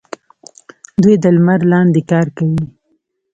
دوی د لمر لاندې کار کوي.